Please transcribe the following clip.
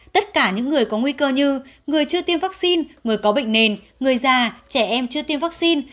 tất cả những người có nguy cơ như người chưa tiêm vaccine người có bệnh nền người già trẻ em chưa tiêm vaccine